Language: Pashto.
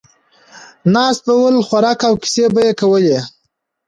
ناست به ول، خوراک او کیسې به یې کولې.